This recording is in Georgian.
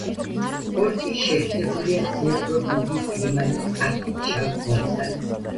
პორტი შეერთებულია დნეპრო-ბუგის ლიმანის არხით შავ ზღვასთან.